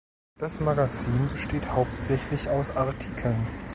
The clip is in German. Das Magazin besteht hauptsächlich aus Artikeln.